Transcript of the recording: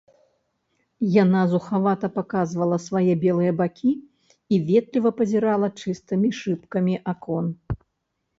Яна зухавата паказвала свае белыя бакі і ветліва пазірала чыстымі шыбкамі акон.